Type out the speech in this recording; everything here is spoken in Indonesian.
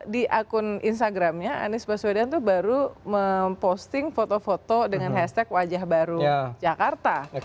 di akun instagramnya anies baswedan itu baru memposting foto foto dengan hashtag wajahbarujakarta